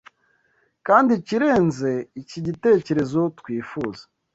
Kandi ikirenze iki gitekerezo twifuza